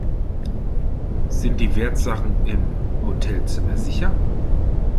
Sind die Wertsachen im Hotelzimmer sicher?